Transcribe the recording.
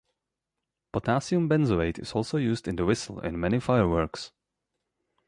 Potassium benzoate is also used in the whistle in many fireworks.